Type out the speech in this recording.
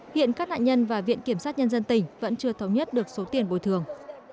hiện các nạn nhân và viện kiểm sát nhân dân tỉnh vẫn chưa thống nhất được số tiền bồi thường